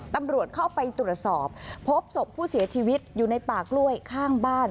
ตำรวจเข้าไปตรวจสอบพบศพผู้เสียชีวิตอยู่ในป่ากล้วยข้างบ้าน